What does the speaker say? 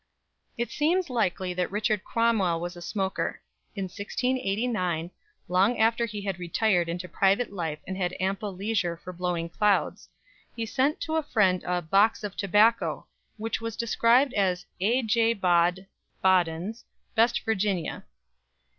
It seems likely that Richard Cromwell was a smoker. In 1689, long after he had retired into private life and had ample leisure for blowing clouds, he sent to a friend a "Boxe of Tobacco," which was described as "A.J. Bod (den's) ... best Virginnea."